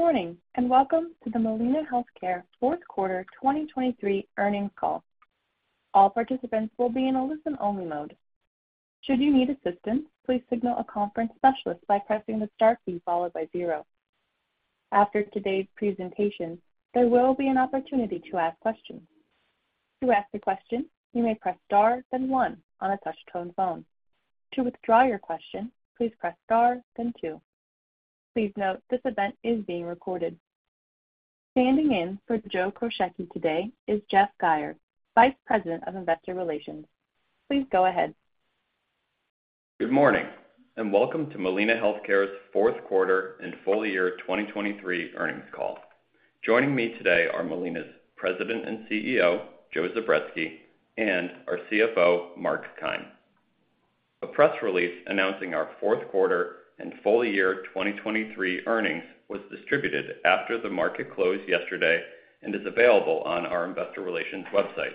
Good morning, and welcome to the Molina Healthcare fourth quarter 2023 earnings call. All participants will be in a listen-only mode. Should you need assistance, please signal a conference specialist by pressing the star key followed by zero. After today's presentation, there will be an opportunity to ask questions. To ask a question, you may press star, then one on a touch-tone phone. To withdraw your question, please press star, then two. Please note, this event is being recorded. Standing in for Joe Krocheski today is Jeff Geyer, Vice President of Investor Relations. Please go ahead. Good morning, and welcome to Molina Healthcare's fourth quarter and full year 2023 earnings call. Joining me today are Molina's President and CEO, Joe Zubretsky, and our CFO, Mark Keim. A press release announcing our fourth quarter and full year 2023 earnings was distributed after the market closed yesterday and is available on our investor relations website.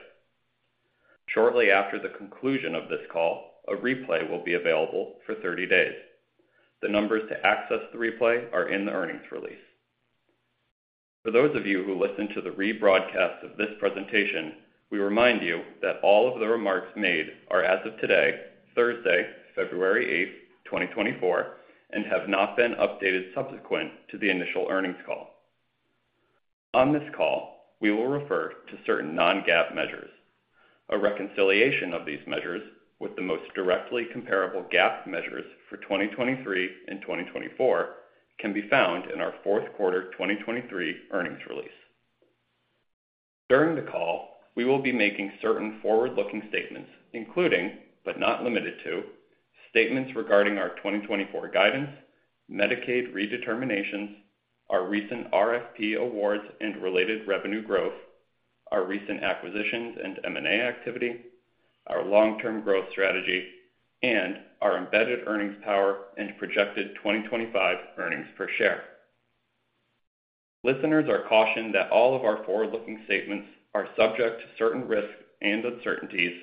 Shortly after the conclusion of this call, a replay will be available for 30 days. The numbers to access the replay are in the earnings release. For those of you who listen to the rebroadcast of this presentation, we remind you that all of the remarks made are as of today, Thursday, February 8, 2024, and have not been updated subsequent to the initial earnings call. On this call, we will refer to certain non-GAAP measures. A reconciliation of these measures with the most directly comparable GAAP measures for 2023 and 2024 can be found in our fourth quarter 2023 earnings release. During the call, we will be making certain forward-looking statements, including, but not limited to, statements regarding our 2024 guidance, Medicaid redeterminations, our recent RFP awards and related revenue growth, our recent acquisitions and M&A activity, our long-term growth strategy, and our embedded earnings power and projected 2025 earnings per share. Listeners are cautioned that all of our forward-looking statements are subject to certain risks and uncertainties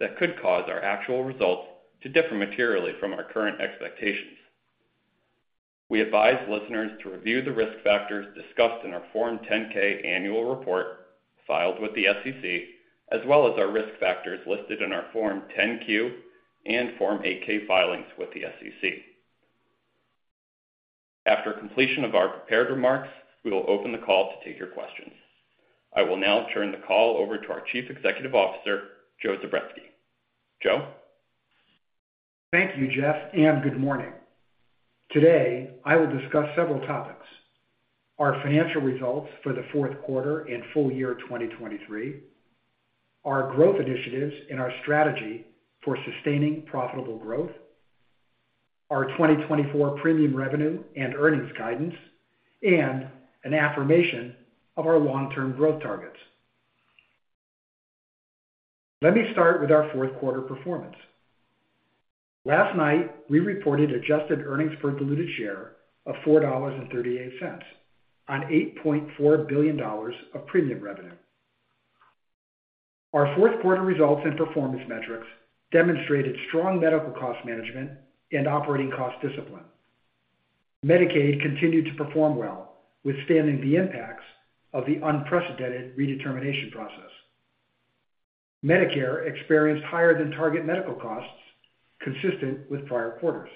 that could cause our actual results to differ materially from our current expectations. We advise listeners to review the risk factors discussed in our Form 10-K annual report filed with the SEC, as well as our risk factors listed in our Form 10-Q and Form 8-K filings with the SEC. After completion of our prepared remarks, we will open the call to take your questions. I will now turn the call over to our Chief Executive Officer, Joe Zubretsky. Joe? Thank you, Jeff, and good morning. Today, I will discuss several topics: our financial results for the fourth quarter and full year 2023, our growth initiatives and our strategy for sustaining profitable growth, our 2024 premium revenue and earnings guidance, and an affirmation of our long-term growth targets. Let me start with our fourth quarter performance. Last night, we reported adjusted earnings per diluted share of $4.38 on $8.4 billion of premium revenue. Our fourth quarter results and performance metrics demonstrated strong medical cost management and operating cost discipline. Medicaid continued to perform well, withstanding the impacts of the unprecedented redetermination process. Medicare experienced higher than target medical costs, consistent with prior quarters,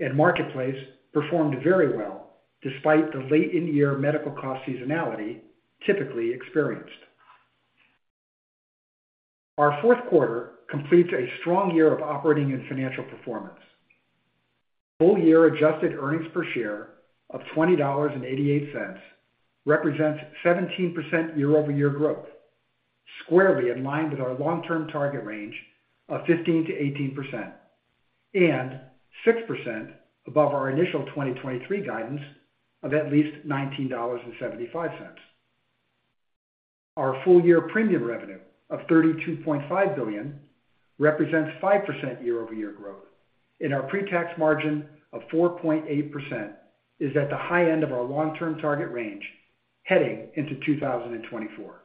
and Marketplace performed very well, despite the late in the year medical cost seasonality typically experienced. Our fourth quarter completes a strong year of operating and financial performance. Full year adjusted earnings per share of $20.88 represents 17% year-over-year growth, squarely in line with our long-term target range of 15%-18%, and 6% above our initial 2023 guidance of at least $19.75. Our full year premium revenue of $32.5 billion represents 5% year-over-year growth, and our pre-tax margin of 4.8% is at the high end of our long-term target range, heading into 2024.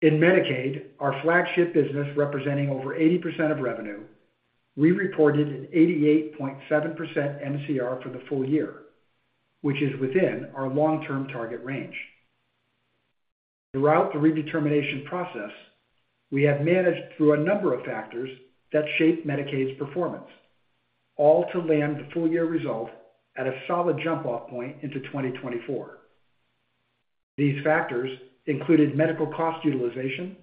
In Medicaid, our flagship business, representing over 80% of revenue, we reported an 88.7% MCR for the full year, which is within our long-term target range. Throughout the redetermination process, we have managed through a number of factors that shaped Medicaid's performance, all to land the full year result at a solid jump-off point into 2024. These factors included medical cost utilization,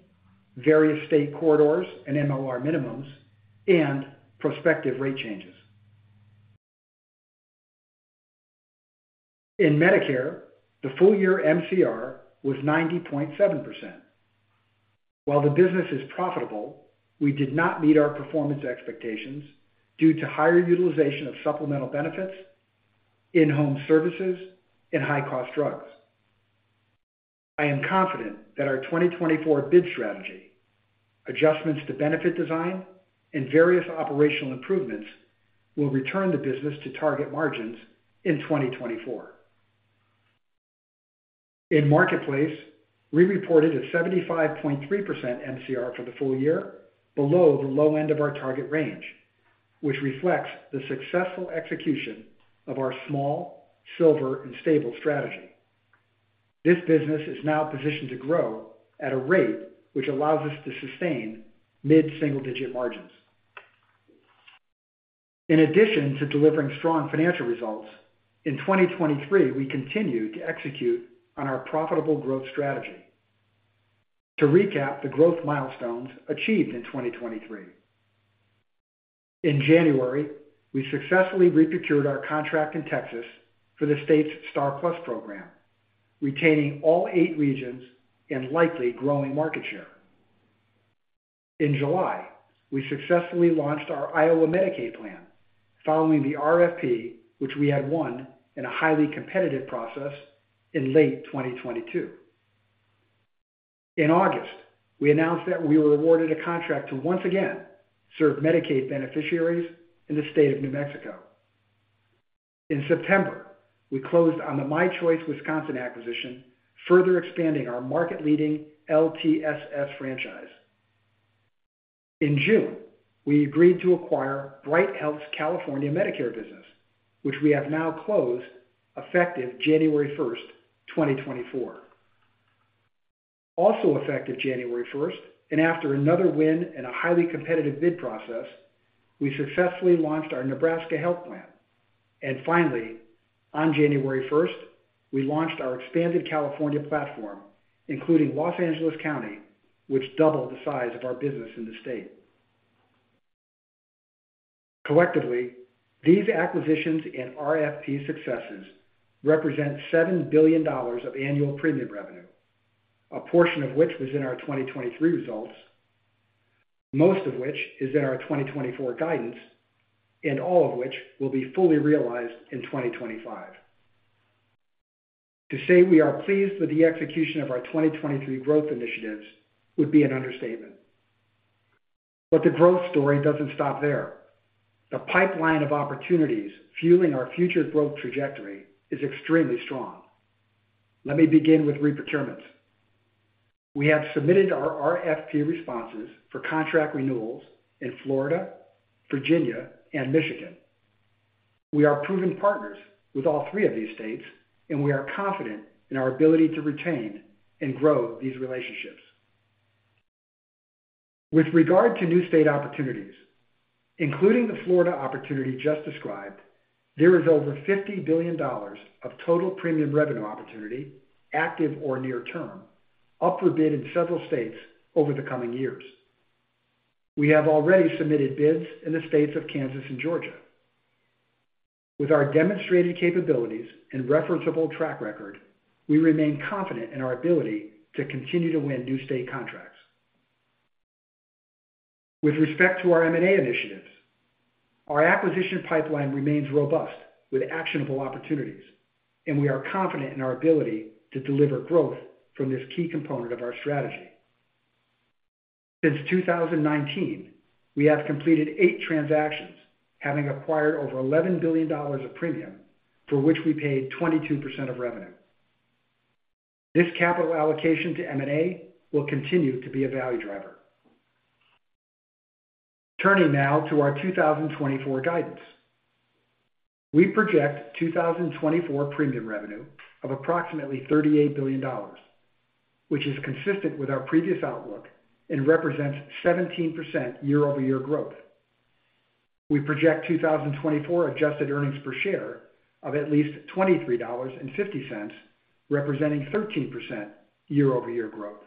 various state corridors and MLR minimums, and prospective rate changes. In Medicare, the full year MCR was 90.7%. While the business is profitable, we did not meet our performance expectations due to higher utilization of supplemental benefits, in-home services, and high-cost drugs. I am confident that our 2024 bid strategy, adjustments to benefit design, and various operational improvements will return the business to target margins in 2024. In Marketplace, we reported a 75.3% MCR for the full year, below the low end of our target range, which reflects the successful execution of our small, silver, and stable strategy. This business is now positioned to grow at a rate which allows us to sustain mid-single digit margins. In addition to delivering strong financial results, in 2023, we continued to execute on our profitable growth strategy. To recap the growth milestones achieved in 2023, in January, we successfully reprocured our contract in Texas for the state's STAR+PLUS program, retaining all 8 regions and likely growing market share. In July, we successfully launched our Iowa Medicaid plan following the RFP, which we had won in a highly competitive process in late 2022. In August, we announced that we were awarded a contract to once again serve Medicaid beneficiaries in the state of New Mexico. In September, we closed on the My Choice Wisconsin acquisition, further expanding our market-leading LTSS franchise. In June, we agreed to acquire Bright Health's California Medicare business, which we have now closed, effective January 1, 2024. Also effective January 1, and after another win in a highly competitive bid process, we successfully launched our Nebraska Health Plan. Finally, on January first, we launched our expanded California platform, including Los Angeles County, which doubled the size of our business in the state. Collectively, these acquisitions and RFP successes represent $7 billion of annual premium revenue, a portion of which was in our 2023 results, most of which is in our 2024 guidance, and all of which will be fully realized in 2025. To say we are pleased with the execution of our 2023 growth initiatives would be an understatement. But the growth story doesn't stop there. The pipeline of opportunities fueling our future growth trajectory is extremely strong. Let me begin with reprocurements. We have submitted our RFP responses for contract renewals in Florida, Virginia, and Michigan. We are proven partners with all three of these states, and we are confident in our ability to retain and grow these relationships. With regard to new state opportunities, including the Florida opportunity just described, there is over $50 billion of total premium revenue opportunity, active or near term, up for bid in several states over the coming years. We have already submitted bids in the states of Kansas and Georgia. With our demonstrated capabilities and referenceable track record, we remain confident in our ability to continue to win new state contracts. With respect to our M&A initiatives, our acquisition pipeline remains robust with actionable opportunities, and we are confident in our ability to deliver growth from this key component of our strategy. Since 2019, we have completed eight transactions, having acquired over $11 billion of premium, for which we paid 22% of revenue. This capital allocation to M&A will continue to be a value driver. Turning now to our 2024 guidance. We project 2024 premium revenue of approximately $38 billion, which is consistent with our previous outlook and represents 17% year-over-year growth. We project 2024 adjusted earnings per share of at least $23.50, representing 13% year-over-year growth.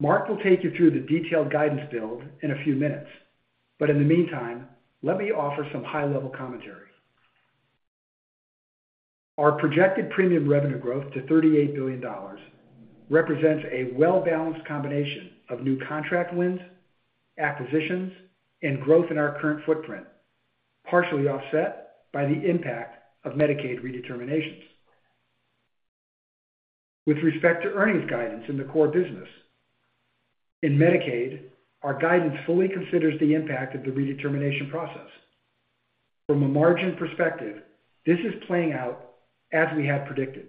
Mark will take you through the detailed guidance build in a few minutes, but in the meantime, let me offer some high-level commentary. Our projected premium revenue growth to $38 billion represents a well-balanced combination of new contract wins, acquisitions, and growth in our current footprint, partially offset by the impact of Medicaid redeterminations. With respect to earnings guidance in the core business, in Medicaid, our guidance fully considers the impact of the redetermination process. From a margin perspective, this is playing out as we had predicted.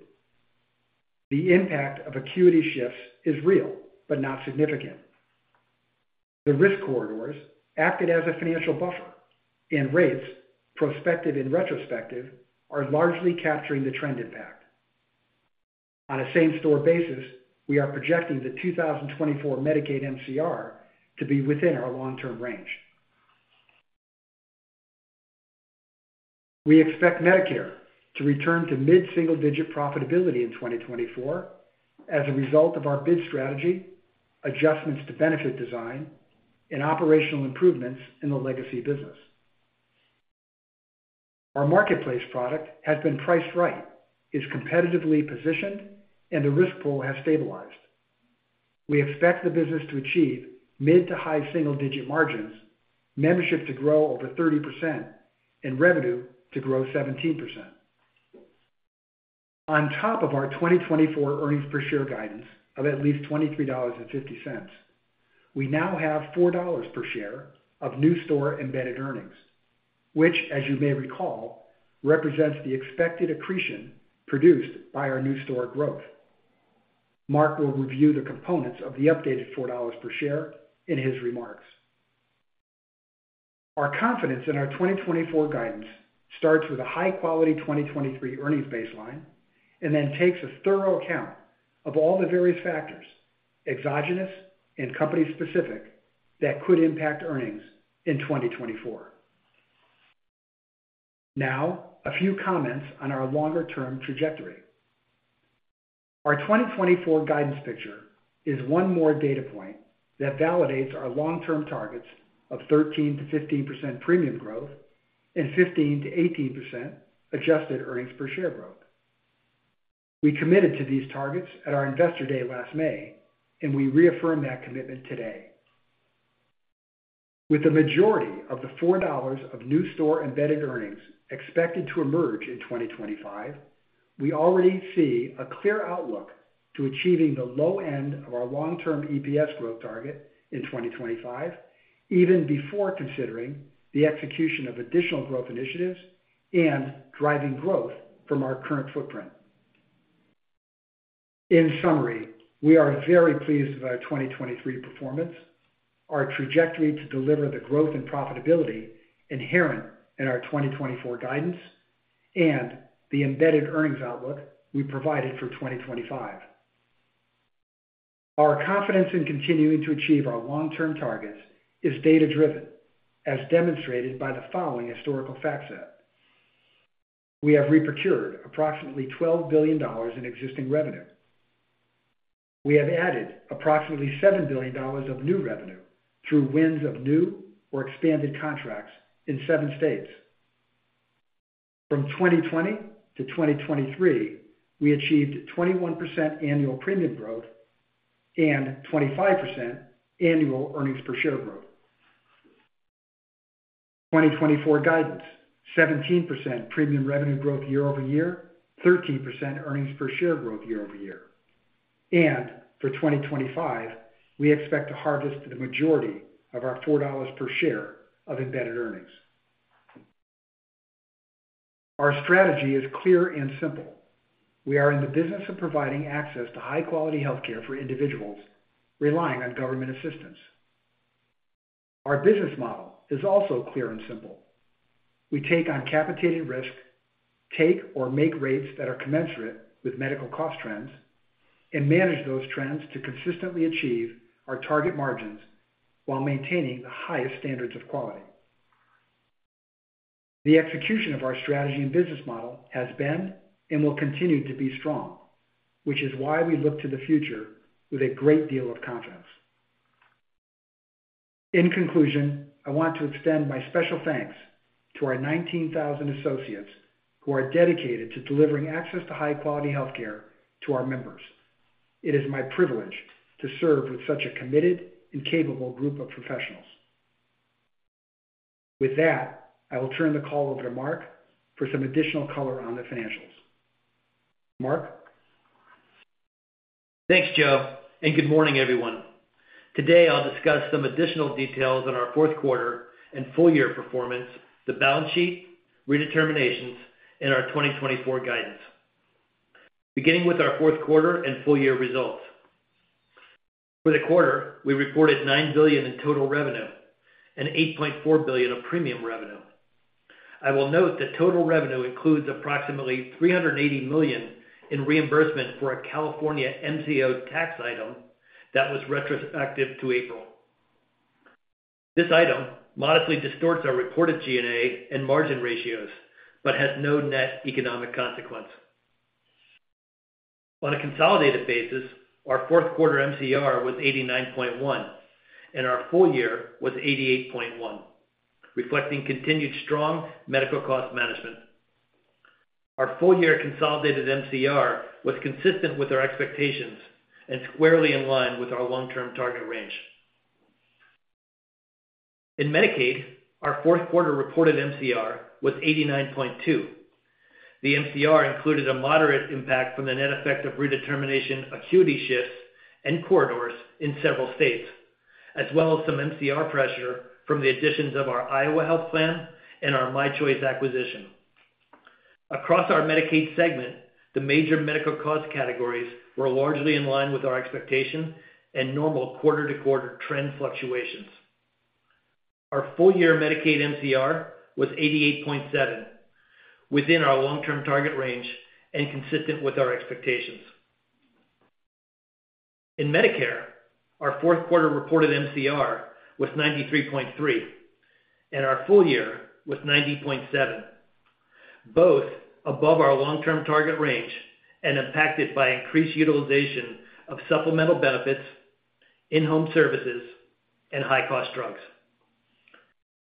The impact of acuity shifts is real, but not significant. The risk corridors acted as a financial buffer, and rates, prospective and retrospective, are largely capturing the trend impact. On a same-store basis, we are projecting the 2024 Medicaid MCR to be within our long-term range. We expect Medicare to return to mid-single-digit profitability in 2024 as a result of our bid strategy, adjustments to benefit design, and operational improvements in the legacy business. Our Marketplace product has been priced right, is competitively positioned, and the risk pool has stabilized. We expect the business to achieve mid- to high-single-digit margins, membership to grow over 30%, and revenue to grow 17%. On top of our 2024 earnings per share guidance of at least $23.50,... We now have $4 per share of new store embedded earnings, which, as you may recall, represents the expected accretion produced by our new store growth. Mark will review the components of the updated $4 per share in his remarks. Our confidence in our 2024 guidance starts with a high-quality 2023 earnings baseline and then takes a thorough account of all the various factors, exogenous and company-specific, that could impact earnings in 2024. Now, a few comments on our longer-term trajectory. Our 2024 guidance picture is one more data point that validates our long-term targets of 13%-15% premium growth and 15%-18% adjusted earnings per share growth. We committed to these targets at our Investor Day last May, and we reaffirm that commitment today. With the majority of the $4 of new store embedded earnings expected to emerge in 2025, we already see a clear outlook to achieving the low end of our long-term EPS growth target in 2025, even before considering the execution of additional growth initiatives and driving growth from our current footprint. In summary, we are very pleased with our 2023 performance, our trajectory to deliver the growth and profitability inherent in our 2024 guidance, and the embedded earnings outlook we provided for 2025. Our confidence in continuing to achieve our long-term targets is data-driven, as demonstrated by the following historical fact set. We have re-procured approximately $12 billion in existing revenue. We have added approximately $7 billion of new revenue through wins of new or expanded contracts in seven states. From 2020 to 2023, we achieved 21% annual premium growth and 25% annual earnings per share growth. 2024 guidance, 17% premium revenue growth year-over-year, 13% earnings per share growth year-over-year. For 2025, we expect to harvest the majority of our $4 per share of embedded earnings. Our strategy is clear and simple: We are in the business of providing access to high-quality healthcare for individuals relying on government assistance. Our business model is also clear and simple: We take on capitated risk, take or make rates that are commensurate with medical cost trends, and manage those trends to consistently achieve our target margins while maintaining the highest standards of quality. The execution of our strategy and business model has been and will continue to be strong, which is why we look to the future with a great deal of confidence. In conclusion, I want to extend my special thanks to our 19,000 associates who are dedicated to delivering access to high-quality healthcare to our members. It is my privilege to serve with such a committed and capable group of professionals. With that, I will turn the call over to Mark for some additional color on the financials. Mark? Thanks, Joe, and good morning, everyone. Today, I'll discuss some additional details on our fourth quarter and full year performance, the balance sheet, redeterminations, and our 2024 guidance. Beginning with our fourth quarter and full year results. For the quarter, we reported $9 billion in total revenue and $8.4 billion of premium revenue. I will note that total revenue includes approximately $380 million in reimbursement for a California MCO tax item that was retrospective to April. This item modestly distorts our reported G&A and margin ratios, but has no net economic consequence. On a consolidated basis, our fourth quarter MCR was 89.1%, and our full year was 88.1%, reflecting continued strong medical cost management. Our full-year consolidated MCR was consistent with our expectations and squarely in line with our long-term target range. In Medicaid, our fourth quarter reported MCR was 89.2. The MCR included a moderate impact from the net effect of redetermination, acuity shifts, and corridors in several states, as well as some MCR pressure from the additions of our Iowa Health Plan and our My Choice acquisition. Across our Medicaid segment, the major medical cost categories were largely in line with our expectations and normal quarter-to-quarter trend fluctuations. Our full-year Medicaid MCR was 88.7, within our long-term target range and consistent with our expectations. In Medicare, our fourth quarter reported MCR was 93.3, and our full year was 90.7, both above our long-term target range and impacted by increased utilization of supplemental benefits, in-home services, and high-cost drugs.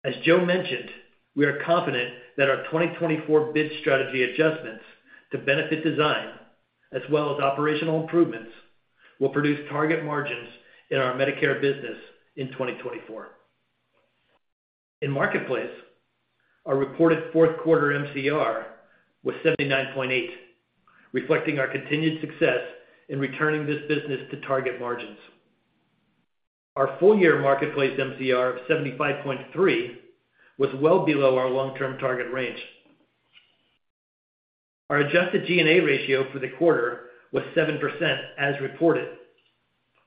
As Joe mentioned, we are confident that our 2024 bid strategy adjustments to benefit design, as well as operational improvements, will produce target margins in our Medicare business in 2024. In Marketplace, our reported fourth quarter MCR was 79.8, reflecting our continued success in returning this business to target margins. Our full-year Marketplace MCR of 75.3 was well below our long-term target range. Our adjusted G&A ratio for the quarter was 7% as reported.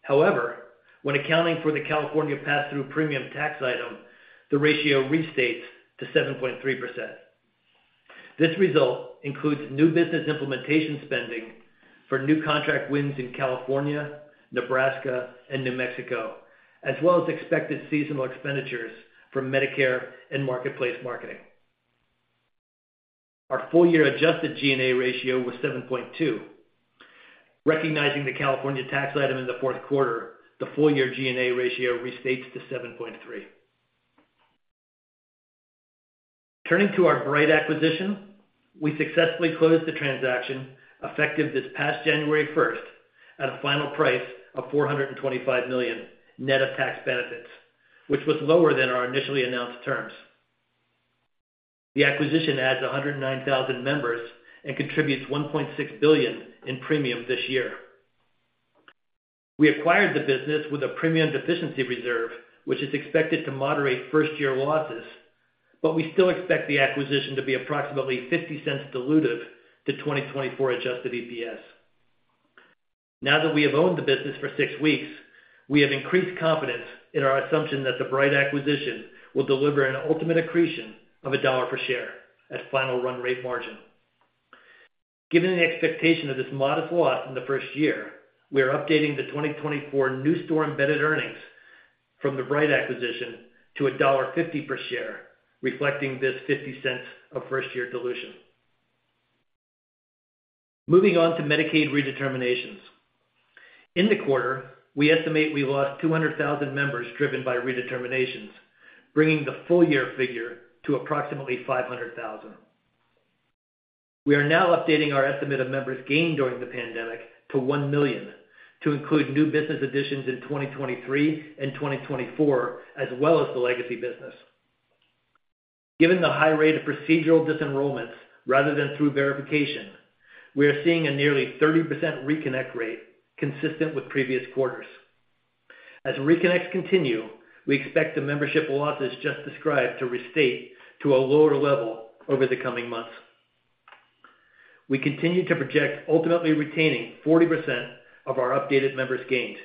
However, when accounting for the California pass-through premium tax item, the ratio restates to 7.3%. This result includes new business implementation spending for new contract wins in California, Nebraska, and New Mexico, as well as expected seasonal expenditures for Medicare and Marketplace marketing. Our full-year adjusted G&A ratio was 7.2%. Recognizing the California tax item in the fourth quarter, the full-year G&A ratio restates to 7.3. Turning to our Bright acquisition, we successfully closed the transaction effective this past January 1, at a final price of $425 million net of tax benefits, which was lower than our initially announced terms. The acquisition adds 109,000 members and contributes $1.6 billion in premium this year. We acquired the business with a premium deficiency reserve, which is expected to moderate first-year losses, but we still expect the acquisition to be approximately $0.50 dilutive to 2024 adjusted EPS. Now that we have owned the business for six weeks, we have increased confidence in our assumption that the Bright acquisition will deliver an ultimate accretion of $1 per share at final run rate margin. Given the expectation of this modest loss in the first year, we are updating the 2024 new store embedded earnings from the Bright acquisition to $1.50 per share, reflecting this $0.50 of first-year dilution. Moving on to Medicaid redeterminations. In the quarter, we estimate we lost 200,000 members driven by redeterminations, bringing the full year figure to approximately 500,000. We are now updating our estimate of members gained during the pandemic to 1 million, to include new business additions in 2023 and 2024, as well as the legacy business. Given the high rate of procedural disenrollments rather than through verification, we are seeing a nearly 30% reconnect rate, consistent with previous quarters. As reconnects continue, we expect the membership losses just described to restate to a lower level over the coming months. We continue to project ultimately retaining 40% of our updated members gains,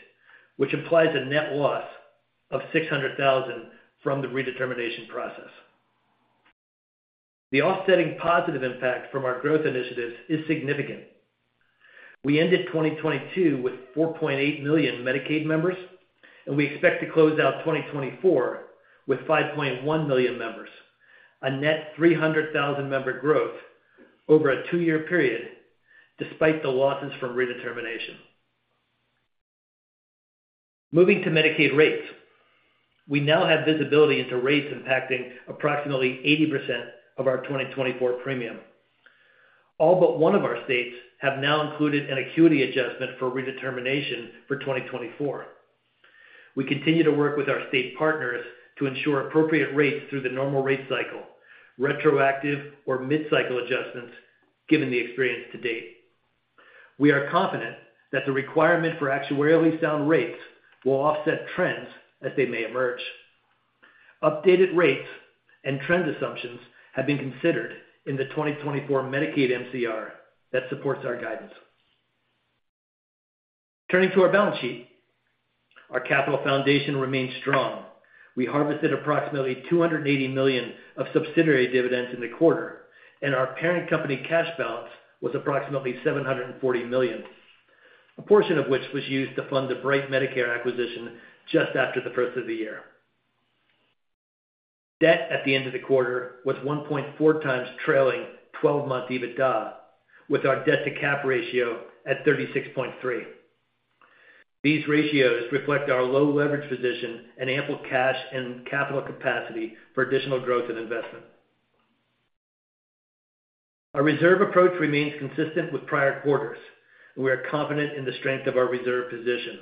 which implies a net loss of 600,000 from the redetermination process. The offsetting positive impact from our growth initiatives is significant. We ended 2022 with 4.8 million Medicaid members, and we expect to close out 2024 with 5.1 million members, a net 300,000 member growth over a two-year period, despite the losses from redetermination. Moving to Medicaid rates, we now have visibility into rates impacting approximately 80% of our 2024 premium. All but one of our states have now included an acuity adjustment for redetermination for 2024. We continue to work with our state partners to ensure appropriate rates through the normal rate cycle, retroactive or mid-cycle adjustments, given the experience to date. We are confident that the requirement for actuarially sound rates will offset trends as they may emerge. Updated rates and trend assumptions have been considered in the 2024 Medicaid MCR that supports our guidance. Turning to our balance sheet, our capital foundation remains strong. We harvested approximately $280 million of subsidiary dividends in the quarter, and our parent company cash balance was approximately $740 million, a portion of which was used to fund the Bright Medicare acquisition just after the first of the year. Debt at the end of the quarter was 1.4x trailing 12-month EBITDA, with our debt-to-cap ratio at 36.3. These ratios reflect our low leverage position and ample cash and capital capacity for additional growth and investment. Our reserve approach remains consistent with prior quarters, and we are confident in the strength of our reserve position.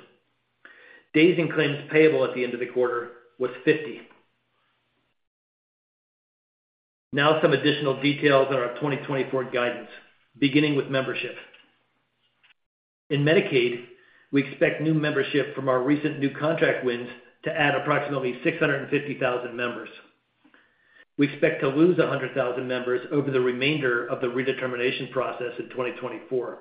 Days in claims payable at the end of the quarter was 50. Now some additional details on our 2024 guidance, beginning with membership. In Medicaid, we expect new membership from our recent new contract wins to add approximately 650,000 members. We expect to lose 100,000 members over the remainder of the redetermination process in 2024.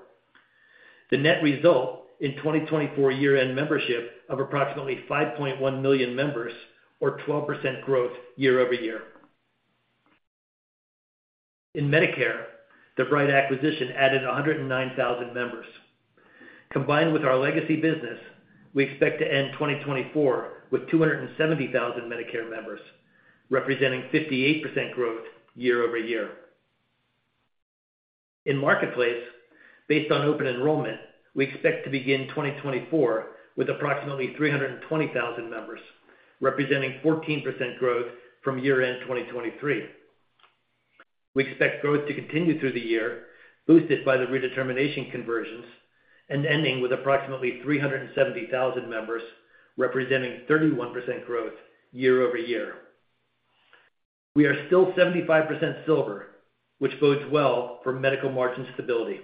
The net result in 2024 year-end membership of approximately 5.1 million members, or 12% growth year-over-year. In Medicare, the Bright acquisition added 109,000 members. Combined with our legacy business, we expect to end 2024 with 270,000 Medicare members, representing 58% growth year-over-year. In Marketplace, based on open enrollment, we expect to begin 2024 with approximately 320,000 members, representing 14% growth from year-end 2023. We expect growth to continue through the year, boosted by the redetermination conversions and ending with approximately 370,000 members, representing 31% growth year-over-year. We are still 75% silver, which bodes well for medical margin stability.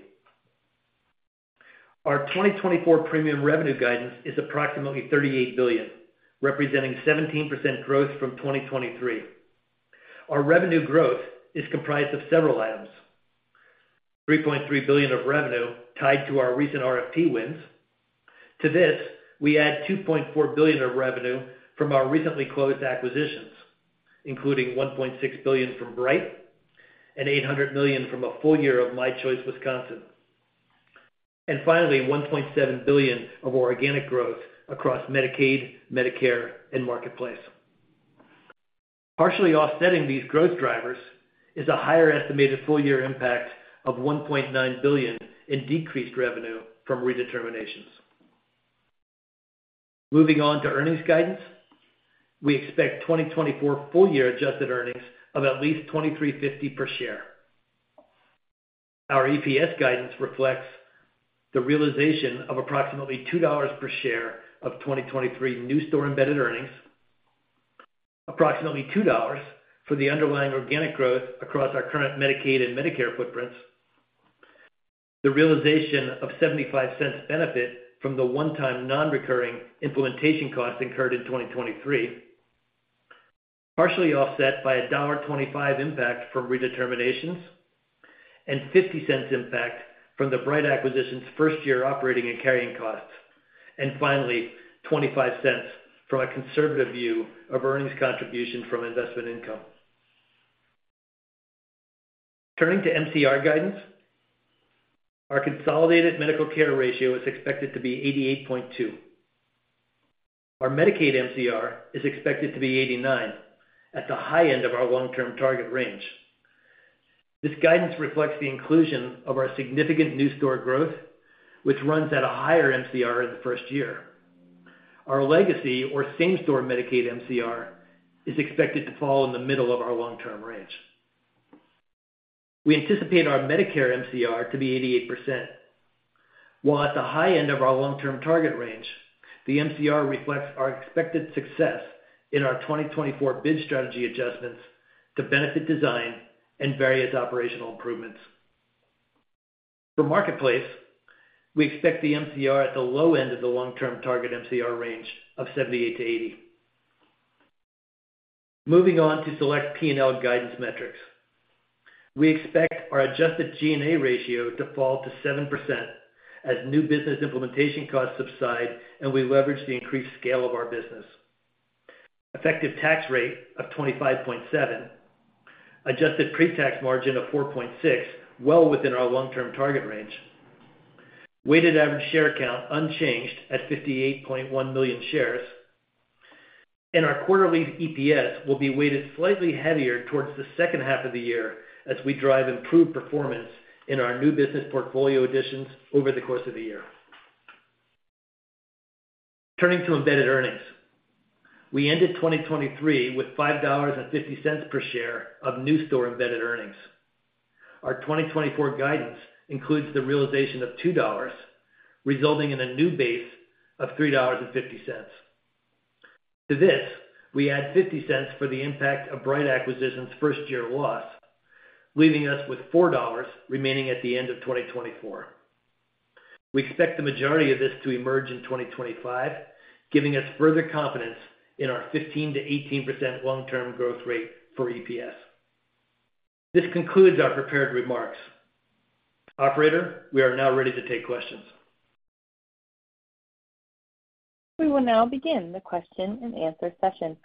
Our 2024 premium revenue guidance is approximately $38 billion, representing 17% growth from 2023. Our revenue growth is comprised of several items: $3.3 billion of revenue tied to our recent RFP wins. To this, we add $2.4 billion of revenue from our recently closed acquisitions, including $1.6 billion from Bright and $800 million from a full year of My Choice Wisconsin. Finally, $1.7 billion of organic growth across Medicaid, Medicare, and Marketplace. Partially offsetting these growth drivers is a higher estimated full-year impact of $1.9 billion in decreased revenue from redeterminations. Moving on to earnings guidance. We expect 2024 full-year adjusted earnings of at least $23.50 per share. Our EPS guidance reflects the realization of approximately $2 per share of 2023 new store embedded earnings, approximately $2 for the underlying organic growth across our current Medicaid and Medicare footprints, the realization of $0.75 benefit from the one-time non-recurring implementation costs incurred in 2023, partially offset by a $1.25 impact from redeterminations, and $0.50 impact from the Bright acquisition's first-year operating and carrying costs, and finally, $0.25 from a conservative view of earnings contribution from investment income. Turning to MCR guidance. Our consolidated medical care ratio is expected to be 88.2. Our Medicaid MCR is expected to be 89, at the high end of our long-term target range. This guidance reflects the inclusion of our significant new store growth, which runs at a higher MCR in the first year. Our legacy or same store Medicaid MCR is expected to fall in the middle of our long-term range. We anticipate our Medicare MCR to be 88%. While at the high end of our long-term target range, the MCR reflects our expected success in our 2024 bid strategy adjustments to benefit design and various operational improvements. For Marketplace, we expect the MCR at the low end of the long-term target MCR range of 78-80. Moving on to select P&L guidance metrics. We expect our adjusted G&A ratio to fall to 7% as new business implementation costs subside, and we leverage the increased scale of our business. Effective tax rate of 25.7%, adjusted pre-tax margin of 4.6%, well within our long-term target range. Weighted average share count unchanged at 58.1 million shares, and our quarterly EPS will be weighted slightly heavier towards the second half of the year as we drive improved performance in our new business portfolio additions over the course of the year. Turning to embedded earnings. We ended 2023 with $5.50 per share of new store embedded earnings. Our 2024 guidance includes the realization of $2, resulting in a new base of $3.50. To this, we add $0.50 for the impact of Bright acquisition's first year loss, leaving us with $4 remaining at the end of 2024. We expect the majority of this to emerge in 2025, giving us further confidence in our 15%-18% long-term growth rate for EPS. This concludes our prepared remarks. Operator, we are now ready to take questions. We will now begin the question and answer session.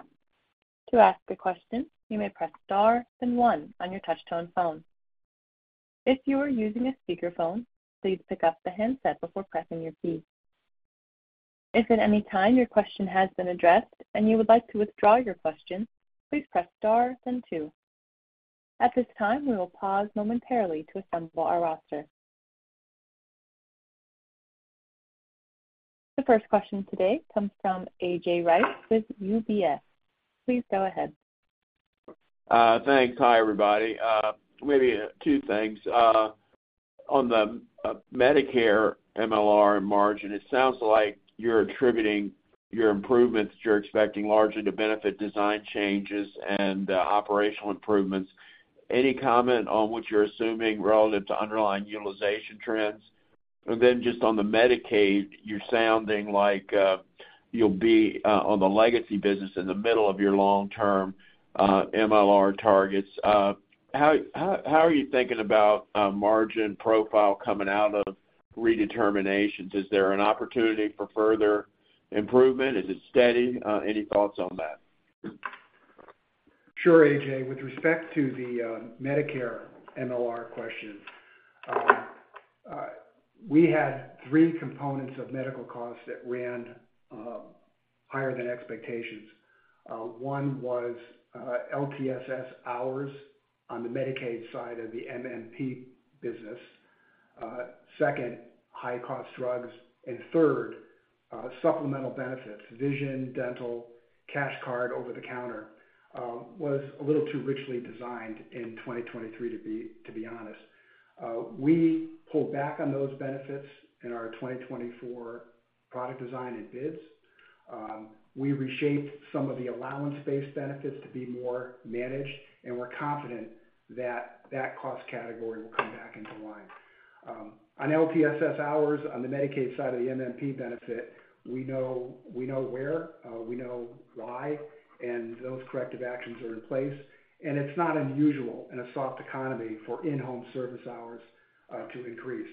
To ask a question, you may press star and one on your touchtone phone. If you are using a speakerphone, please pick up the handset before pressing your key. If at any time your question has been addressed and you would like to withdraw your question, please press star then two. At this time, we will pause momentarily to assemble our roster. The first question today comes from A.J. Rice with UBS. Please go ahead. Thanks. Hi, everybody. Maybe two things. On the Medicare MLR margin, it sounds like you're attributing your improvements that you're expecting largely to benefit design changes and operational improvements. Any comment on what you're assuming relative to underlying utilization trends? And then just on the Medicaid, you're sounding like you'll be on the legacy business in the middle of your long-term MLR targets. How are you thinking about margin profile coming out of redeterminations? Is there an opportunity for further improvement? Is it steady? Any thoughts on that? Sure, A.J. With respect to the Medicare MLR question, we had three components of medical costs that ran higher than expectations. One was LTSS hours on the Medicaid side of the MMP business second, high-cost drugs, and third, supplemental benefits, vision, dental, cash card, over the counter, was a little too richly designed in 2023, to be, to be honest. We pulled back on those benefits in our 2024 product design and bids. We reshaped some of the allowance-based benefits to be more managed, and we're confident that that cost category will come back into line. On LTSS hours, on the Medicaid side of the MMP benefit, we know, we know where, we know why, and those corrective actions are in place. And it's not unusual in a soft economy for in-home service hours, to increase.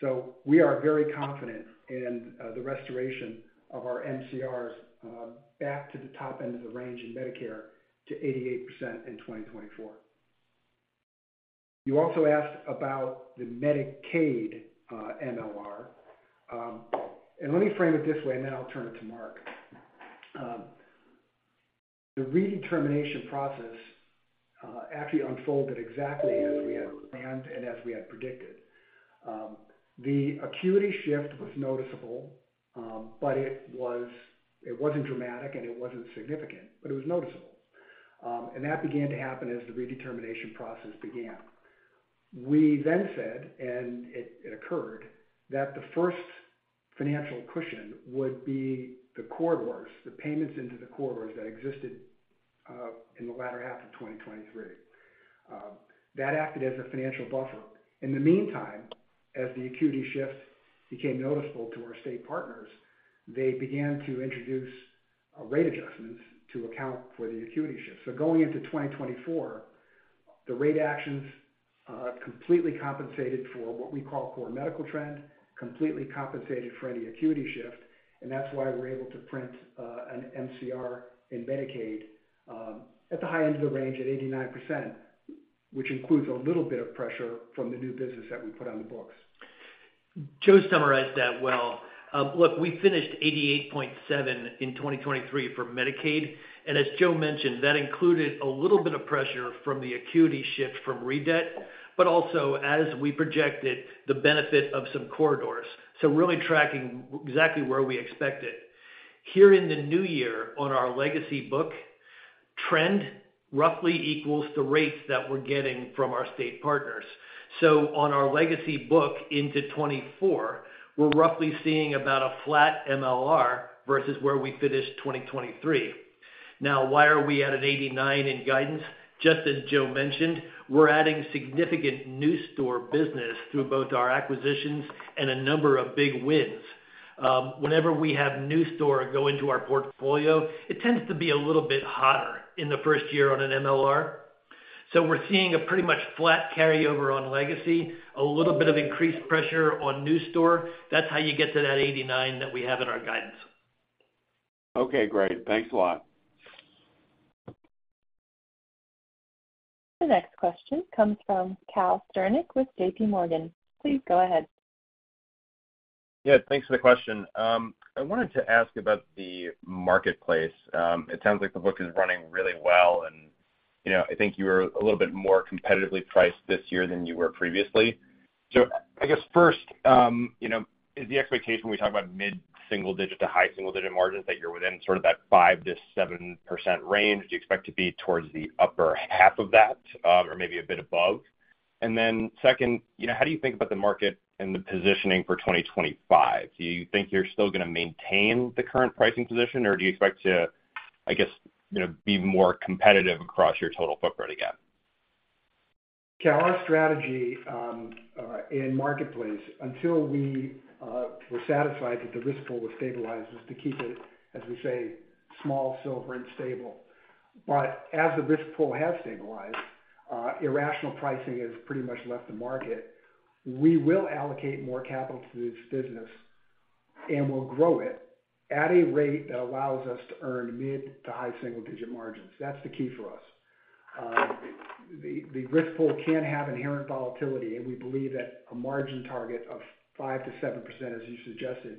So we are very confident in, the restoration of our MCRs, back to the top end of the range in Medicare to 88% in 2024. You also asked about the Medicaid MLR. And let me frame it this way, and then I'll turn it to Mark. The redetermination process actually unfolded exactly as we had planned and as we had predicted. The acuity shift was noticeable, but it wasn't dramatic, and it wasn't significant, but it was noticeable. And that began to happen as the redetermination process began. We then said, and it occurred, that the first financial cushion would be the corridors, the payments into the corridors that existed in the latter half of 2023. That acted as a financial buffer. In the meantime, as the acuity shift became noticeable to our state partners, they began to introduce rate adjustments to account for the acuity shift. So going into 2024, the rate actions completely compensated for what we call core medical trend, completely compensated for any acuity shift, and that's why we're able to print an MCR in Medicaid at the high end of the range at 89%, which includes a little bit of pressure from the new business that we put on the books. Joe summarized that well. Look, we finished 88.7% in 2023 for Medicaid, and as Joe mentioned, that included a little bit of pressure from the acuity shift from redetermination, but also, as we projected, the benefit of some corridors, so really tracking exactly where we expected. Here in the new year, on our legacy book, trend roughly equals the rates that we're getting from our state partners. So on our legacy book into 2024, we're roughly seeing about a flat MLR versus where we finished 2023. Now, why are we at an 89% in guidance? Just as Joe mentioned, we're adding significant new store business through both our acquisitions and a number of big wins. Whenever we have new store go into our portfolio, it tends to be a little bit hotter in the first year on an MLR. We're seeing a pretty much flat carryover on legacy, a little bit of increased pressure on new store. That's how you get to that 89 that we have in our guidance. Okay, great. Thanks a lot. The next question comes from Cal Sternick with JPMorgan. Please go ahead. Yeah, thanks for the question. I wanted to ask about the Marketplace. It sounds like the book is running really well, and, you know, I think you were a little bit more competitively priced this year than you were previously. So I guess first, you know, is the expectation when we talk about mid-single digit to high single digit margins, that you're within sort of that 5%-7% range? Do you expect to be towards the upper half of that, or maybe a bit above? And then second, you know, how do you think about the market and the positioning for 2025? Do you think you're still gonna maintain the current pricing position, or do you expect to, I guess, you know, be more competitive across your total footprint again? Cal, our strategy in Marketplace, until we were satisfied that the risk pool was stabilized, is to keep it, as we say, small, silver, and stable. But as the risk pool has stabilized, irrational pricing has pretty much left the market. We will allocate more capital to this business, and we'll grow it at a rate that allows us to earn mid- to high-single-digit margins. That's the key for us. The risk pool can have inherent volatility, and we believe that a margin target of 5%-7%, as you suggested,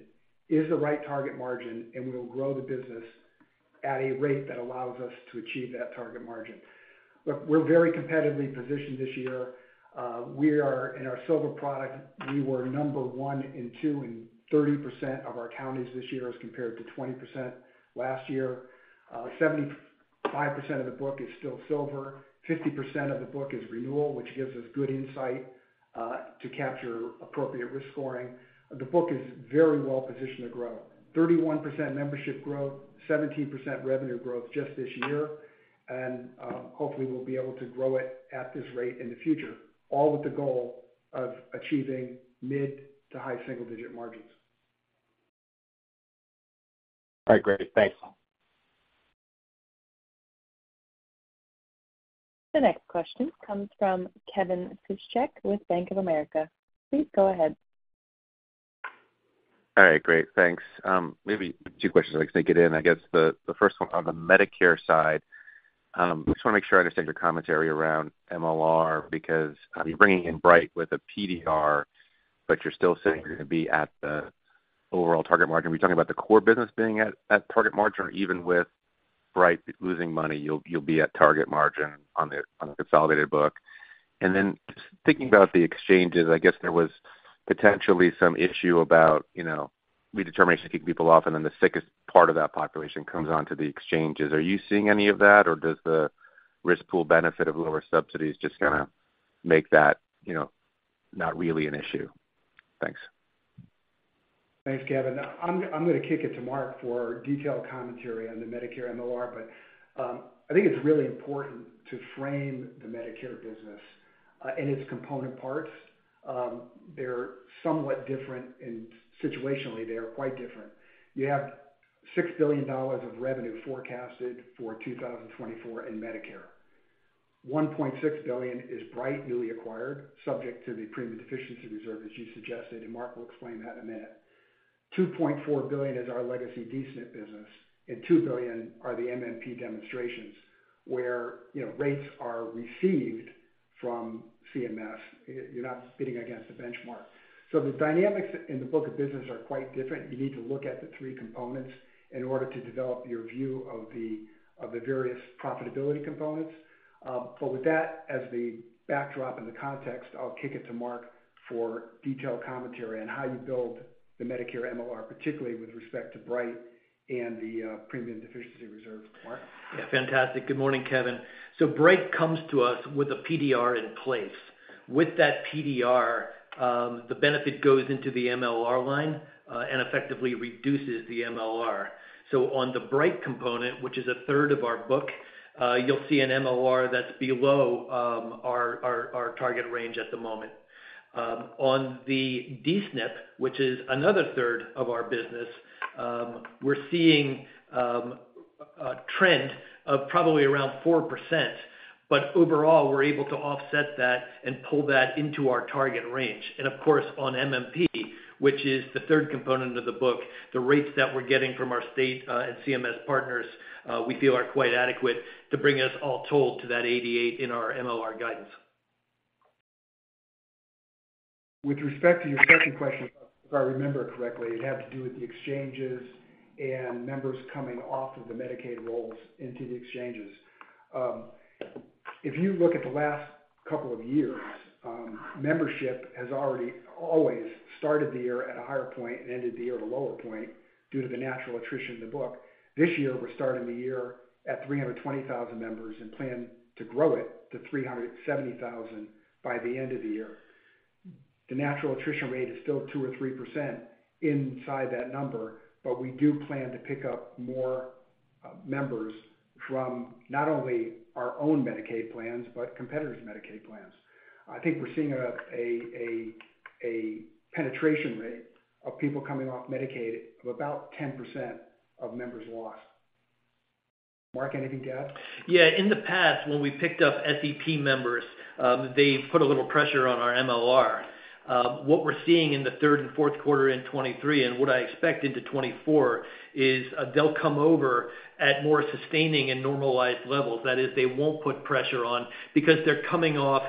is the right target margin, and we will grow the business at a rate that allows us to achieve that target margin. Look, we're very competitively positioned this year. We are, in our silver product, we were number one in two in 30% of our counties this year as compared to 20% last year. 75% of the book is still silver, 50% of the book is renewal, which gives us good insight to capture appropriate risk scoring. The book is very well positioned to grow. 31% membership growth, 17% revenue growth just this year, and hopefully, we'll be able to grow it at this rate in the future, all with the goal of achieving mid- to high-single-digit margins. All right, great. Thanks. The next question comes from Kevin Fischbeck with Bank of America. Please go ahead. All right, great. Thanks. Maybe two questions I'd like to get in. I guess the first one on the Medicare side, I just wanna make sure I understand your commentary around MLR, because you're bringing in Bright with a PDR, but you're still saying you're gonna be at the overall target margin. Are we talking about the core business being at target margin or even with Bright losing money, you'll be at target margin on the consolidated book? And then just thinking about the exchanges, I guess there was potentially some issue about, you know, redetermination keeping people off, and then the sickest part of that population comes onto the exchanges. Are you seeing any of that, or does the risk pool benefit of lower subsidies just kind of make that, you know, not really an issue? Thanks. Thanks, Kevin. I'm gonna kick it to Mark for detailed commentary on the Medicare MLR, but I think it's really important to frame the Medicare business and its component parts. They're somewhat different, and situationally, they are quite different. You have $6 billion of revenue forecasted for 2024 in Medicare. $1.6 billion is Bright newly acquired, subject to the premium deficiency reserve, as you suggested, and Mark will explain that in a minute. $2.4 billion is our legacy D-SNP business, and $2 billion are the MMP demonstrations, where, you know, rates are received from CMS. You're not bidding against a benchmark. So the dynamics in the book of business are quite different. You need to look at the three components in order to develop your view of the various profitability components. With that, as the backdrop and the context, I'll kick it to Mark for detailed commentary on how you build the Medicare MLR, particularly with respect to Bright and the premium deficiency reserve. Mark? Yeah, fantastic. Good morning, Kevin. So Bright comes to us with a PDR in place. With that PDR, the benefit goes into the MLR line, and effectively reduces the MLR. So on the Bright component, which is a third of our book, you'll see an MLR that's below our target range at the moment. On the D-SNP, which is another third of our business, we're seeing a trend of probably around 4%, but overall, we're able to offset that and pull that into our target range. And of course, on MMP, which is the third component of the book, the rates that we're getting from our state and CMS partners, we feel are quite adequate to bring us all told to that 88 in our MLR guidance. With respect to your second question, if I remember correctly, it had to do with the exchanges and members coming off of the Medicaid rolls into the exchanges. If you look at the last couple of years, membership has already always started the year at a higher point and ended the year at a lower point due to the natural attrition in the book. This year, we're starting the year at 320,000 members and plan to grow it to 370,000 by the end of the year. The natural attrition rate is still 2% or 3% inside that number, but we do plan to pick up more members from not only our own Medicaid plans, but competitors' Medicaid plans. I think we're seeing a penetration rate of people coming off Medicaid of about 10% of members lost. Mark, anything to add? Yeah. In the past, when we picked up SEP members, they put a little pressure on our MLR. What we're seeing in the third and fourth quarter in 2023, and what I expect into 2024, is, they'll come over at more sustaining and normalized levels. That is, they won't put pressure on because they're coming off,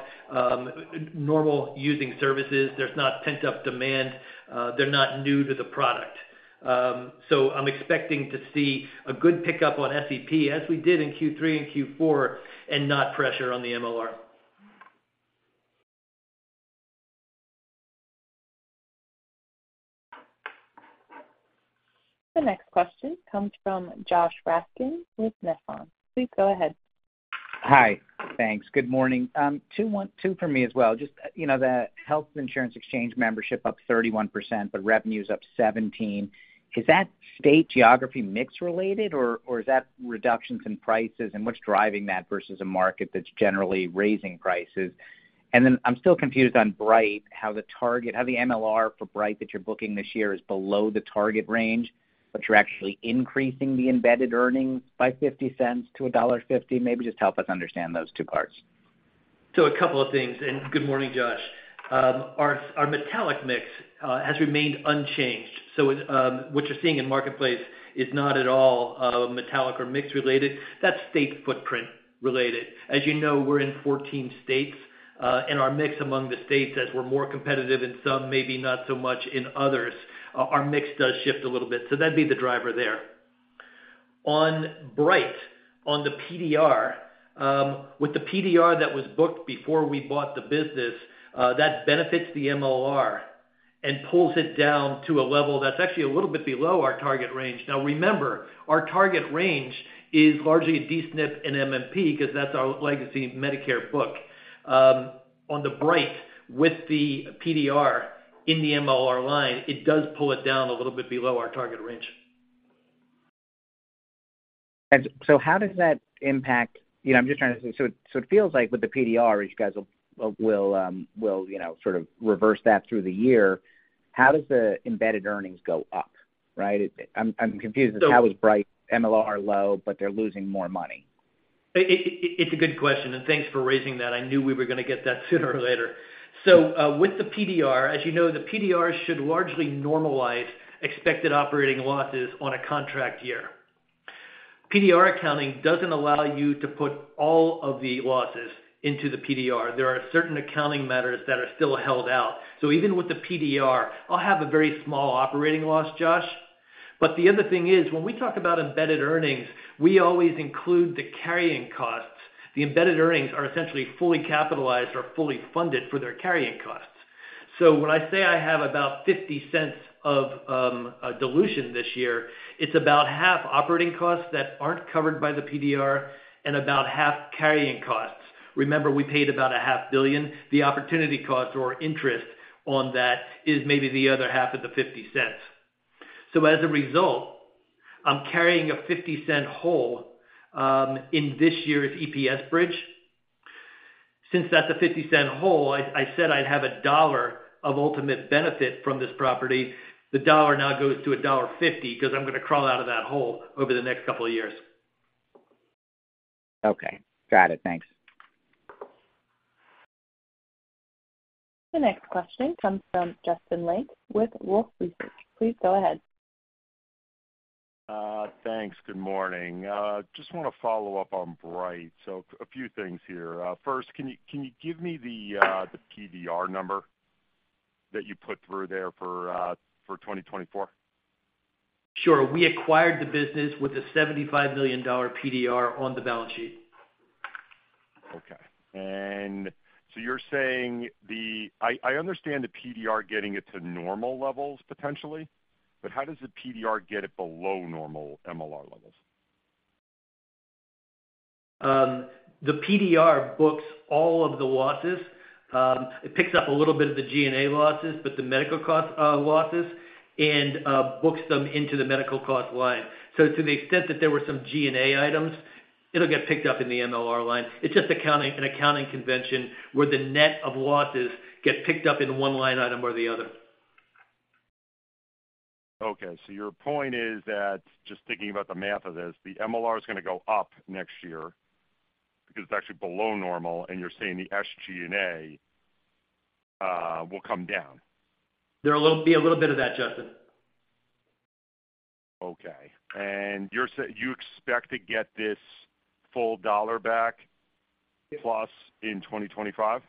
normal using services. There's not pent-up demand. They're not new to the product. So I'm expecting to see a good pickup on SEP, as we did in Q3 and Q4, and not pressure on the MLR. The next question comes from Josh Raskin with Nephron. Please go ahead. Hi. Thanks. Good morning. Two for me as well. Just, you know, the health insurance exchange membership up 31%, but revenue's up 17%. Is that state geography mix related, or, or is that reductions in prices, and what's driving that versus a market that's generally raising prices? And then I'm still confused on Bright, how the MLR for Bright that you're booking this year is below the target range, but you're actually increasing the embedded earnings by $0.50-$1.50. Maybe just help us understand those two parts. So a couple of things, and good morning, Josh. Our metallic mix has remained unchanged, so what you're seeing in Marketplace is not at all metallic or mix related. That's state footprint related. As you know, we're in 14 states, and our mix among the states, as we're more competitive in some, maybe not so much in others, our mix does shift a little bit, so that'd be the driver there. On Bright, on the PDR, with the PDR that was booked before we bought the business, that benefits the MLR and pulls it down to a level that's actually a little bit below our target range. Now remember, our target range is largely a D-SNP and MMP because that's our legacy Medicare book. On the Bright, with the PDR in the MLR line, it does pull it down a little bit below our target range. So how does that impact? You know, I'm just trying to. So it feels like with the PDR, which you guys will, you know, sort of reverse that through the year, how does the embedded earnings go up, right? I'm confused. How is Bright MLR low, but they're losing more money? It's a good question, and thanks for raising that. I knew we were gonna get that sooner or later. So, with the PDR, as you know, the PDR should largely normalize expected operating losses on a contract year. PDR accounting doesn't allow you to put all of the losses into the PDR. There are certain accounting matters that are still held out. So even with the PDR, I'll have a very small operating loss, Josh. .But the other thing is, when we talk about embedded earnings, we always include the carrying costs. The embedded earnings are essentially fully capitalized or fully funded for their carrying costs. So when I say I have about $0.50 of a dilution this year, it's about half operating costs that aren't covered by the PDR and about half carrying costs. Remember, we paid about $500 million. The opportunity costs or interest on that is maybe the other half of the $0.50. So as a result, I'm carrying a $0.50 hole in this year's EPS bridge. Since that's a $0.50 hole, I, I said I'd have a $1 of ultimate benefit from this property. The $1 now goes to a $1.50, because I'm going to crawl out of that hole over the next couple of years. Okay, got it. Thanks. The next question comes from Justin Lake with Wolfe Research. Please go ahead. Thanks. Good morning. Just want to follow up on Bright. So a few things here. First, can you give me the PDR number that you put through there for 2024? Sure. We acquired the business with a $75 million PDR on the balance sheet. Okay. And so you're saying the, I, I understand the PDR getting it to normal levels, potentially, but how does the PDR get it below normal MLR levels? The PDR books all of the losses. It picks up a little bit of the G&A losses, but the medical cost losses, and books them into the medical cost line. So to the extent that there were some G&A items, it'll get picked up in the MLR line. It's just accounting, an accounting convention where the net of losses get picked up in one line item or the other. Okay, so your point is that, just thinking about the math of this, the MLR is going to go up next year because it's actually below normal, and you're saying the SG&A will come down. There will be a little bit of that, Justin. Okay. You're saying you expect to get this full dollar back, plus in 2025?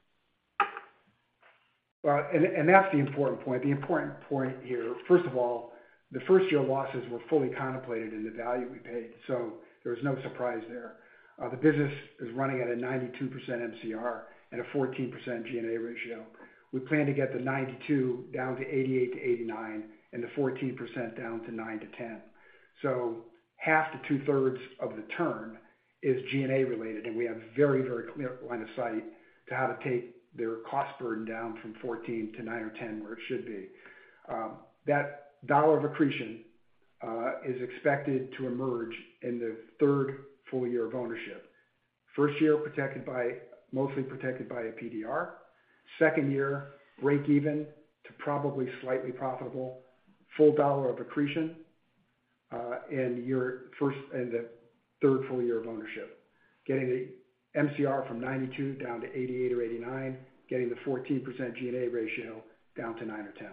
Well, and that's the important point. The important point here, first of all, the first-year losses were fully contemplated in the value we paid, so there was no surprise there. The business is running at a 92% MCR and a 14% G&A ratio. We plan to get the 92 down to 88-89, and the 14% down to 9%-10%. So half to two-thirds of the turn is G&A related, and we have very, very clear line of sight to how to take their cost burden down from 14 to 9 or 10, where it should be. That $1 of accretion is expected to emerge in the third full year of ownership. First year, mostly protected by a PDR. Second year, breakeven to probably slightly profitable, full dollar of accretion in your first and the third full year of ownership, getting the MCR from 92% down to 88% or 89%, getting the 14% G&A ratio down to 9% or 10%.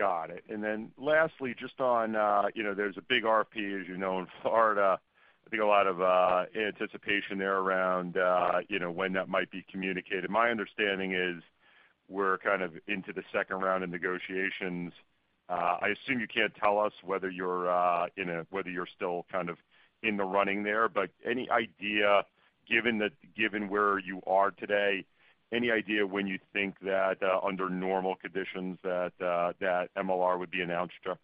Got it. And then lastly, just on, you know, there's a big RFP, as you know, in Florida. I think a lot of anticipation there around, you know, when that might be communicated. My understanding is we're kind of into the second round of negotiations. I assume you can't tell us whether you're in a-- whether you're still kind of in the running there, but any idea, given that, given where you are today, any idea when you think that, under normal conditions, that that MLR would be announced or,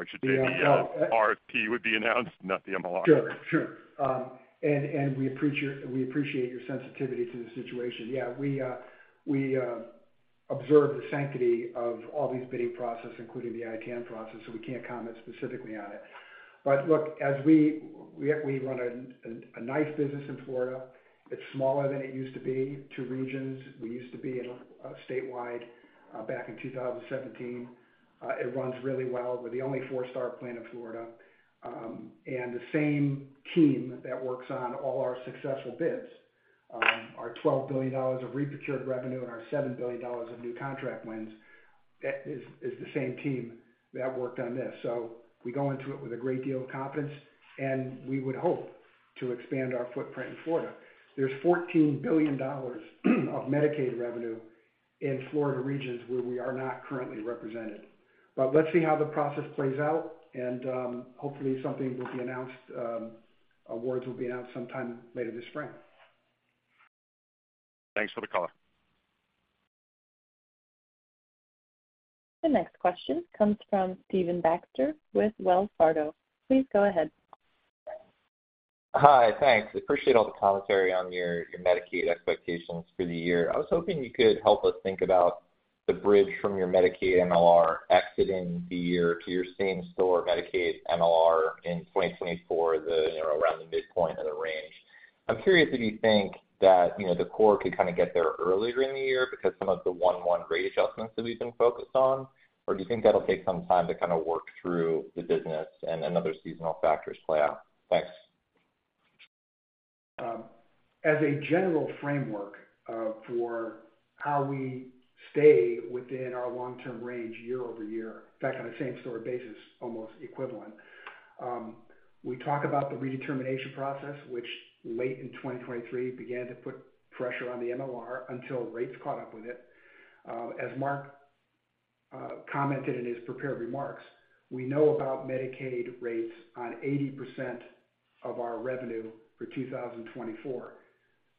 I should say, the RFP would be announced, not the MLR? Sure, sure. We appreciate, we appreciate your sensitivity to the situation. Yeah, we observe the sanctity of all these bidding processes, including the ITN process, so we can't comment specifically on it. But look, as we run a nice business in Florida. It's smaller than it used to be, two regions. We used to be in a statewide back in 2017. It runs really well. We're the only four-star plan in Florida. And the same team that works on all our successful bids, our $12 billion of reprocured revenue and our $7 billion of new contract wins, is the same team that worked on this. So we go into it with a great deal of confidence, and we would hope to expand our footprint in Florida. There's $14 billion of Medicaid revenue in Florida regions where we are not currently represented. But let's see how the process plays out, and, hopefully, something will be announced, awards will be announced sometime later this spring. Thanks for the color. The next question comes from Stephen Baxter with Wells Fargo. Please go ahead. Hi, thanks. I appreciate all the commentary on your, your Medicaid expectations for the year. I was hoping you could help us think about the bridge from your Medicaid MLR exiting the year to your same store Medicaid MLR in 2024, you know, around the midpoint of the range. I'm curious if you think that, you know, the core could kind of get there earlier in the year because some of the 1/1 rate adjustments that we've been focused on, or do you think that'll take some time to kind of work through the business and another seasonal factors play out? Thanks. As a general framework, for how we stay within our long-term range year-over-year, in fact, on a same-store basis, almost equivalent. We talk about the redetermination process, which late in 2023 began to put pressure on the MLR until rates caught up with it. As Mark commented in his prepared remarks, we know about Medicaid rates on 80% of our revenue for 2024.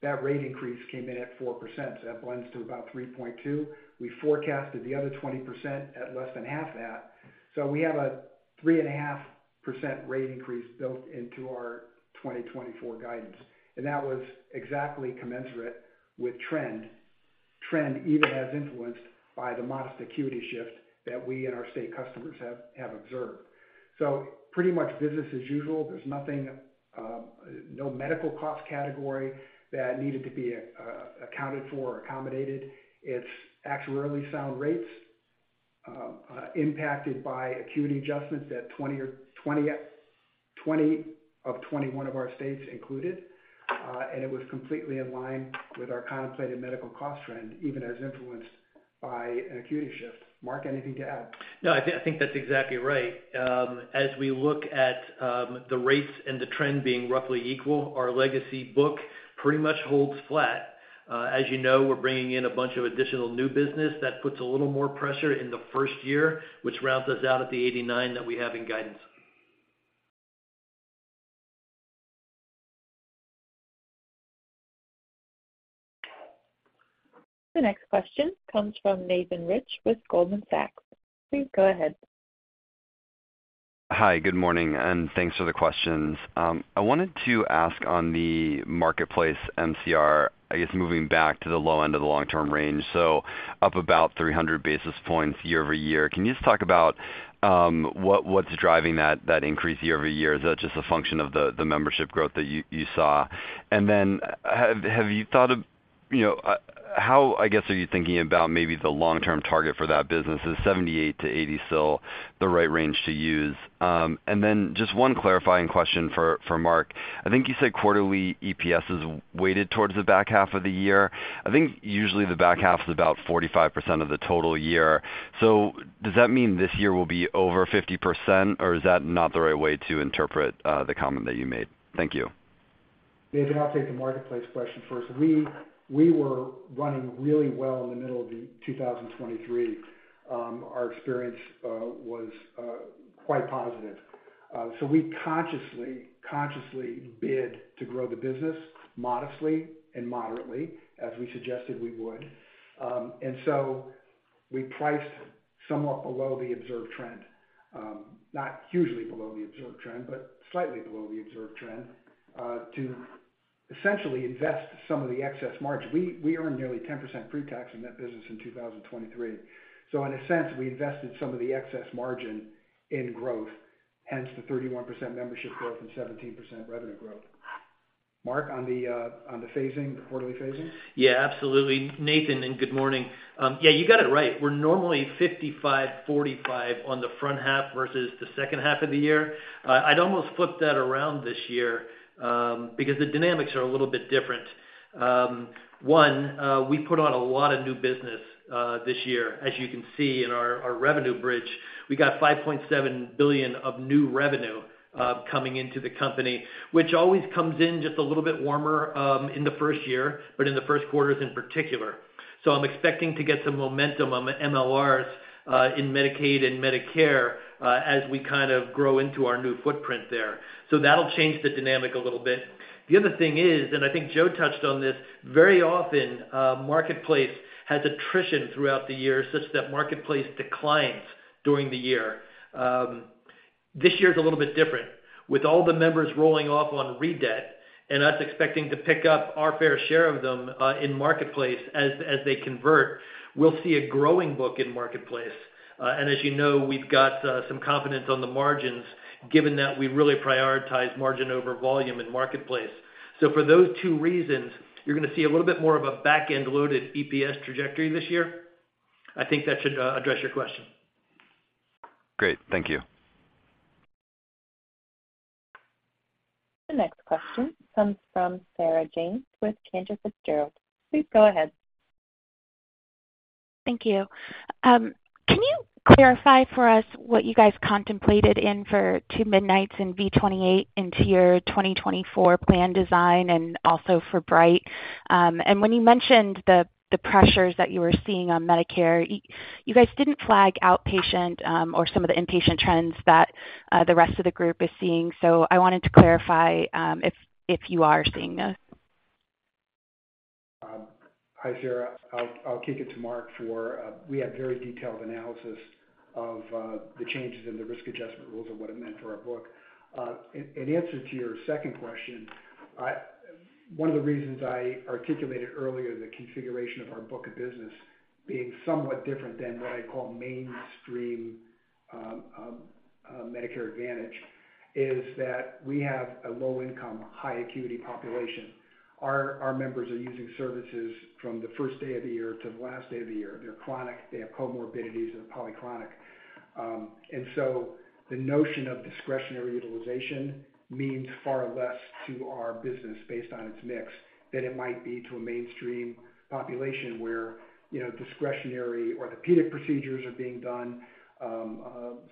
That rate increase came in at 4%, so that blends to about 3.2. We forecasted the other 20% at less than half that. So we have a 3.5% rate increase built into our 2024 guidance, and that was exactly commensurate with trend. Trend, even as influenced by the modest acuity shift that we and our state customers have observed. So pretty much business as usual. There's nothing, no medical cost category that needed to be accounted for or accommodated. It's actuarially sound rates, impacted by acuity adjustments that 20 or 20, 20 of 21 of our states included, and it was completely in line with our contemplated medical cost trend, even as influenced by an acuity shift. Mark, anything to add? No, I think, I think that's exactly right. As we look at, the rates and the trend being roughly equal, our legacy book pretty much holds flat. As you know, we're bringing in a bunch of additional new business that puts a little more pressure in the first year, which rounds us out at the 89 that we have in guidance. The next question comes from Nathan Rich with Goldman Sachs. Please go ahead. Hi, good morning, and thanks for the questions. I wanted to ask on the Marketplace MCR, I guess, moving back to the low end of the long-term range, so up about 300 basis points year-over-year. Can you just talk about, what, what's driving that, that increase year-over-year? Is that just a function of the membership growth that you saw? And then have you thought of, you know, how, I guess, are you thinking about maybe the long-term target for that business? Is 78-80 still the right range to use? And then just one clarifying question for Mark. I think you said quarterly EPS is weighted towards the back half of the year. I think usually the back half is about 45% of the total year. So does that mean this year will be over 50%, or is that not the right way to interpret the comment that you made? Thank you. Nathan, I'll take the Marketplace question first. We were running really well in the middle of 2023. Our experience was quite positive. So we consciously bid to grow the business modestly and moderately, as we suggested we would. And so we priced somewhat below the observed trend, not hugely below the observed trend, but slightly below the observed trend, to essentially invest some of the excess margin. We earned nearly 10% pre-tax in that business in 2023. So in a sense, we invested some of the excess margin in growth, hence the 31 membership growth and 17% revenue growth. Mark, on the phasing, the quarterly phasing? Yeah, absolutely. Nathan, and good morning. Yeah, you got it right. We're normally 55, 45 on the front half versus the second half of the year. I'd almost flip that around this year, because the dynamics are a little bit different. One, we put on a lot of new business this year. As you can see in our revenue bridge, we got $5.7 billion of new revenue coming into the company, which always comes in just a little bit warmer in the first year, but in the first quarters in particular. So I'm expecting to get some momentum on MLRs in Medicaid and Medicare as we kind of grow into our new footprint there. So that'll change the dynamic a little bit. The other thing is, and I think Joe touched on this, very often, Marketplace has attrition throughout the year, such that Marketplace declines during the year. This year's a little bit different. With all the members rolling off on redetermination and us expecting to pick up our fair share of them, in Marketplace as, as they convert, we'll see a growing book in Marketplace. And as you know, we've got, some confidence on the margins, given that we really prioritize margin over volume in Marketplace. So for those two reasons, you're going to see a little bit more of a back-end-loaded EPS trajectory this year. I think that should, address your question. Great. Thank you. The next question comes from Sarah James with Cantor Fitzgerald. Please go ahead. Thank you. Can you clarify for us what you guys contemplated in for Two Midnights and V28 into your 2024 plan design and also for Bright? And when you mentioned the pressures that you were seeing on Medicare, you guys didn't flag outpatient, or some of the inpatient trends that the rest of the group is seeing. So I wanted to clarify, if you are seeing those. Hi, Sarah. I'll kick it to Mark for—we had very detailed analysis of the changes in the risk adjustment rules and what it meant for our book. In answer to your second question, one of the reasons I articulated earlier, the configuration of our book of business being somewhat different than what I call mainstream Medicare Advantage, is that we have a low-income, high-acuity population. Our members are using services from the first day of the year to the last day of the year. They're chronic, they have comorbidities, they're polychronic... And so the notion of discretionary utilization means far less to our business based on its mix, than it might be to a mainstream population where, you know, discretionary orthopedic procedures are being done,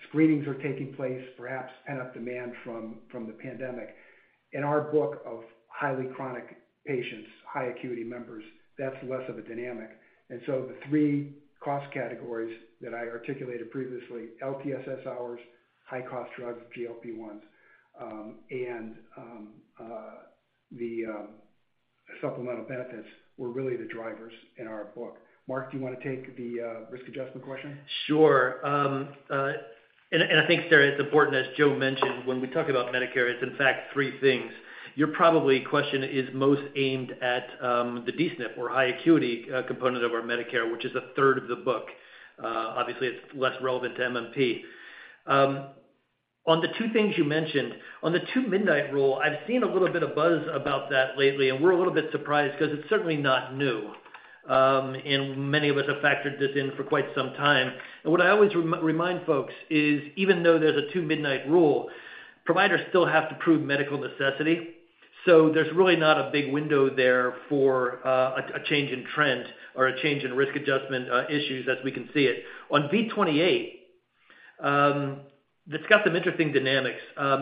screenings are taking place, perhaps pent-up demand from the pandemic. In our book of highly chronic patients, high acuity members, that's less of a dynamic. And so the three cost categories that I articulated previously, LTSS hours, high-cost drugs, GLP-1s, and the supplemental benefits, were really the drivers in our book. Mark, do you want to take the risk adjustment question? Sure. I think, Sarah, it's important, as Joe mentioned, when we talk about Medicare, it's in fact three things. You're probably question is most aimed at the D-SNP or high acuity component of our Medicare, which is a third of the book. Obviously, it's less relevant to MMP. On the two things you mentioned, on the Two Midnight Rule, I've seen a little bit of buzz about that lately, and we're a little bit surprised because it's certainly not new. Many of us have factored this in for quite some time. What I always remind folks is, even though there's a Two Midnight Rule, providers still have to prove medical necessity. So there's really not a big window there for a change in trend or a change in risk adjustment issues as we can see it. On V28, that's got some interesting dynamics.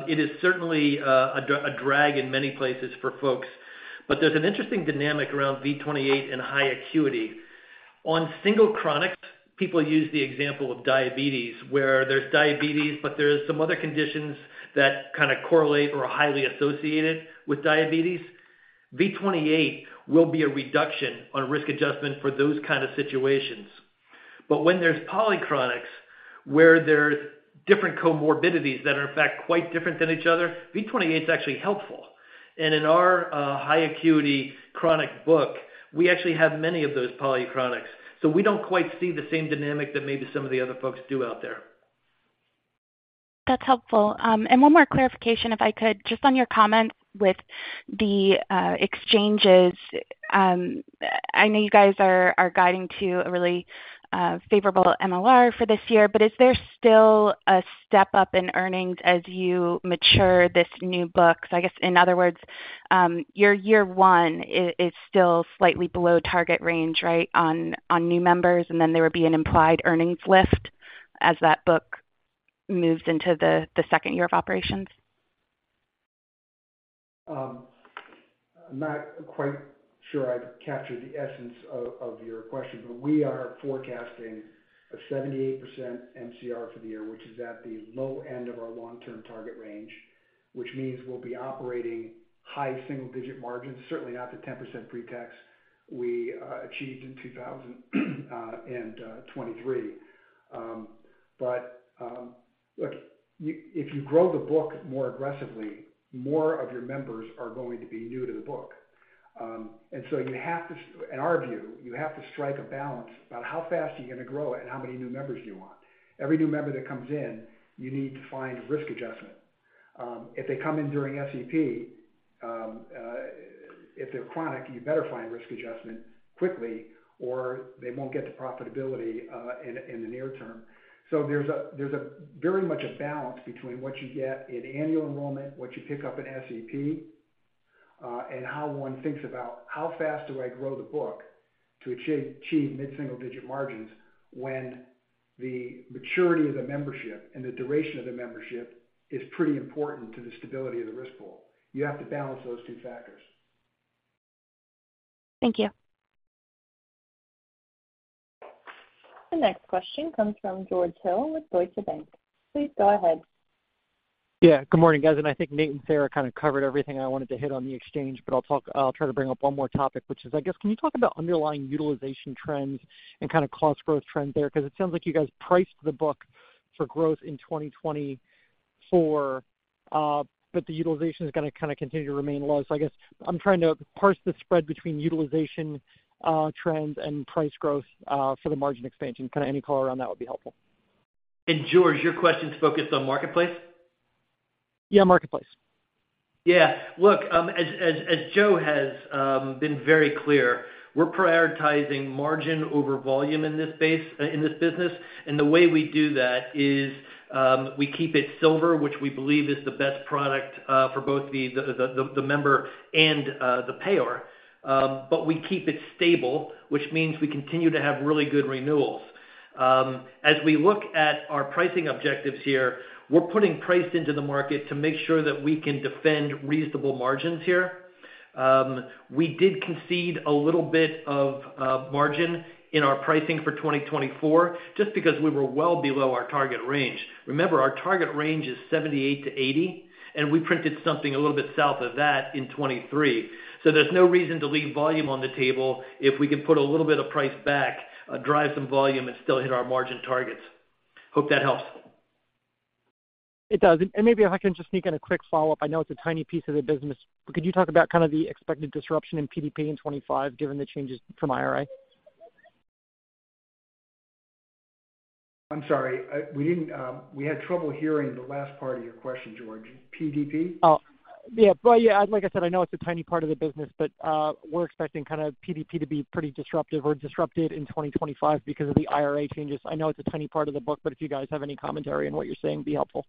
It is certainly a drag in many places for folks, but there's an interesting dynamic around V28 and high acuity. On single chronics, people use the example of diabetes, where there's diabetes, but there are some other conditions that kind of correlate or are highly associated with diabetes. V28 will be a reduction on risk adjustment for those kind of situations. But when there's polychronics, where there's different comorbidities that are, in fact, quite different than each other, V28 is actually helpful. In our high acuity chronic book, we actually have many of those polychronics, so we don't quite see the same dynamic that maybe some of the other folks do out there. That's helpful. One more clarification, if I could, just on your comment with the exchanges. I know you guys are guiding to a really favorable MLR for this year, but is there still a step up in earnings as you mature this new book? So I guess, in other words, your year one is still slightly below target range, right, on new members, and then there would be an implied earnings lift as that book moves into the second year of operations? I'm not quite sure I've captured the essence of, of your question, but we are forecasting a 78% MCR for the year, which is at the low end of our long-term target range, which means we'll be operating high single digit margins, certainly not the 10% pre-tax we achieved in 2023. But look, you if you grow the book more aggressively, more of your members are going to be new to the book. And so you have to, in our view, you have to strike a balance about how fast are you going to grow it and how many new members do you want. Every new member that comes in, you need to find risk adjustment. If they come in during SEP, if they're chronic, you better find risk adjustment quickly, or they won't get the profitability in the near term. So there's a very much a balance between what you get in annual enrollment, what you pick up in SEP, and how one thinks about how fast do I grow the book to achieve mid-single-digit margins when the maturity of the membership and the duration of the membership is pretty important to the stability of the risk pool. You have to balance those two factors. Thank you. The next question comes from George Hill with Deutsche Bank. Please go ahead. Yeah, good morning, guys. I think Nate and Sarah kind of covered everything I wanted to hit on the exchange, but I'll try to bring up one more topic, which is, I guess, can you talk about underlying utilization trends and kind of cost growth trends there? Because it sounds like you guys priced the book for growth in 2024, but the utilization is going to kind of continue to remain low. So I guess I'm trying to parse the spread between utilization trends and price growth for the margin expansion. Kind of any color around that would be helpful. George, your question's focused on Marketplace? Yeah, Marketplace. Yeah. Look, as Joe has been very clear, we're prioritizing margin over volume in this base, in this business. And the way we do that is, we keep it silver, which we believe is the best product, for both the member and the payer. But we keep it stable, which means we continue to have really good renewals. As we look at our pricing objectives here, we're putting price into the market to make sure that we can defend reasonable margins here. We did concede a little bit of margin in our pricing for 2024, just because we were well below our target range. Remember, our target range is 78-80, and we printed something a little bit south of that in 2023. There's no reason to leave volume on the table if we can put a little bit of price back, drive some volume, and still hit our margin targets. Hope that helps. It does. And maybe if I can just sneak in a quick follow-up. I know it's a tiny piece of the business, but could you talk about kind of the expected disruption in PDP in 2025, given the changes from IRA? I'm sorry, we had trouble hearing the last part of your question, George. PDP? .Yeah, but yeah, like I said, I know it's a tiny part of the business, but we're expecting kind of PDP to be pretty disruptive or disrupted in 2025 because of the IRA changes. I know it's a tiny part of the book, but if you guys have any commentary on what you're saying, it'd be helpful.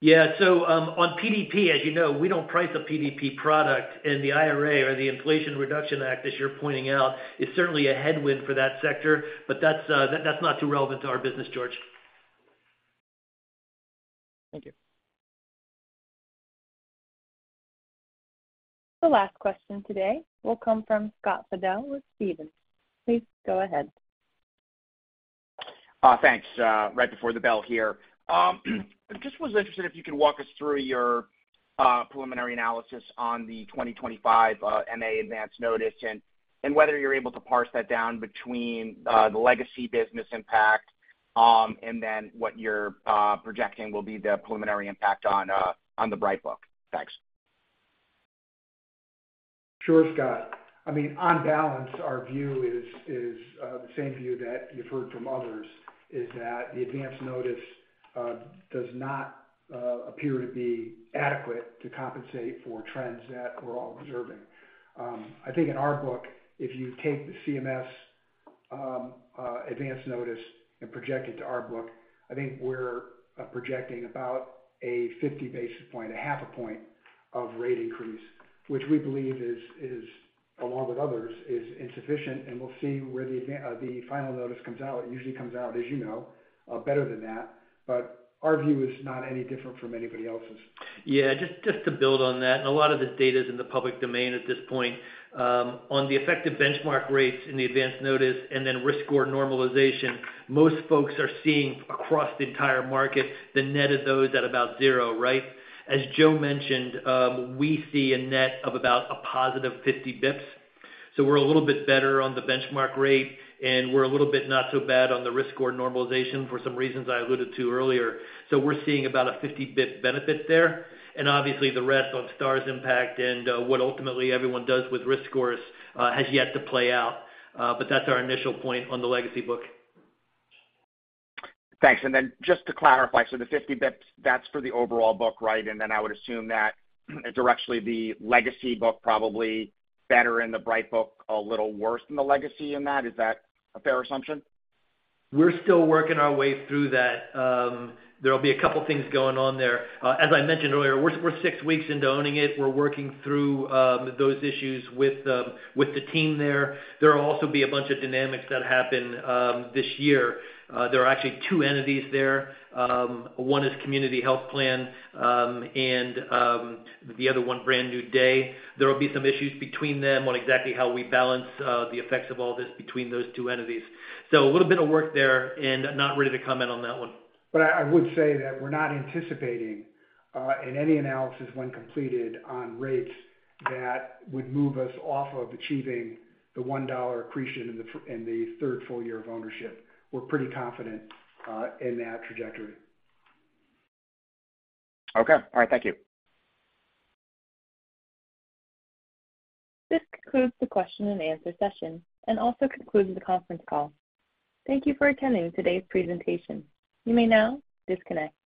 Yeah. So, on PDP, as you know, we don't price a PDP product, and the IRA or the Inflation Reduction Act, as you're pointing out, is certainly a headwind for that sector, but that's, that's not too relevant to our business, George. Thank you. The last question today will come from Scott Fidel with Stephens. Please go ahead. Thanks. Right before the bell here. Just was interested if you could walk us through your preliminary analysis on the 2025 MA advance notice, and whether you're able to parse that down between the legacy business impact, and then what you're projecting will be the preliminary impact on the Bright book. Thanks. Sure, Scott. I mean, on balance, our view is the same view that you've heard from others, that the advance notice does not appear to be adequate to compensate for trends that we're all observing. I think in our book, if you take the CMS advance notice and project it to our book, I think we're projecting about a 50 basis point, a half a point of rate increase, which we believe is, along with others, insufficient, and we'll see where the final notice comes out. It usually comes out, as you know, better than that, but our view is not any different from anybody else's. Yeah, just to build on that, and a lot of this data is in the public domain at this point. On the effective benchmark rates in the advance notice and then risk score normalization, most folks are seeing across the entire market, the net of those at about 0, right? As Joe mentioned, we see a net of about a positive 50 basis points. So we're a little bit better on the benchmark rate, and we're a little bit not so bad on the risk score normalization for some reasons I alluded to earlier. So we're seeing about a 50-basis-point benefit there, and obviously, the rest on Stars impact and what ultimately everyone does with risk scores has yet to play out. But that's our initial point on the legacy book. Thanks. Then just to clarify, so the 50 bips, that's for the overall book, right? Then I would assume that, directionally, the legacy book probably better in the Bright book, a little worse than the legacy in that. Is that a fair assumption? We're still working our way through that. There will be a couple of things going on there. As I mentioned earlier, we're six weeks into owning it. We're working through those issues with the team there. There will also be a bunch of dynamics that happen this year. There are actually two entities there. One is Community Health Plan, and the other one, Brand New Day. There will be some issues between them on exactly how we balance the effects of all this between those two entities. So a little bit of work there and not ready to comment on that one. But I would say that we're not anticipating in any analysis when completed on rates, that would move us off of achieving the $1 accretion in the third full year of ownership. We're pretty confident in that trajectory. Okay. All right, thank you. This concludes the question and answer session and also concludes the conference call. Thank you for attending today's presentation. You may now disconnect.